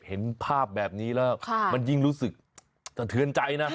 เห็นภาพแบบนี้แล้วมันยิ่งรู้สึกสะเทือนใจนะ